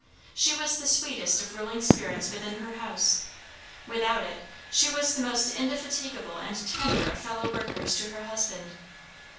She was the sweetest of ruling spirits within her house; without it, she was the most indefatigable and tender of fellow workers to her husband.